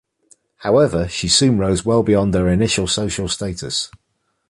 However, she soon rose well beyond her initial social status.